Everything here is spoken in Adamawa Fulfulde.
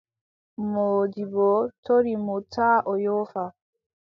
Moodibbo tori mo taa o yoofa.